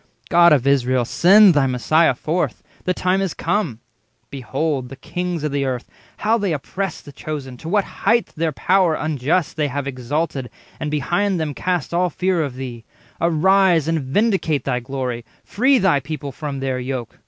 God of Israel, Send thy Messiah forth; the time is come. Behold the kings of the earth, how they oppress Thy Chosen, to what highth their power unjust They have exalted, and behind them cast All fear of Thee; arise, and vindicate Thy glory; free thy people from their yoke!